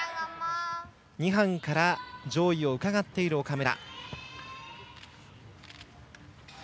２班から上位をうかがっている岡村。